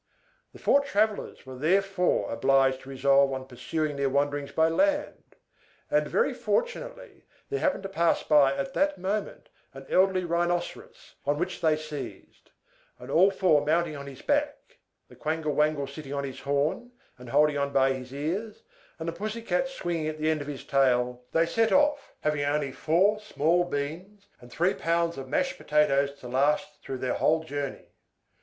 The four travellers were therefore obliged to resolve on pursuing their wanderings by land: and, very fortunately, there happened to pass by at that moment an elderly Rhinoceros, on which they seized; and, all four mounting on his back, the Quangle Wangle sitting on his horn, and holding on by his ears, and the Pussy Cat swinging at the end of his tail, they set off, having only four small beans and three pounds of mashed potatoes to last through their whole journey.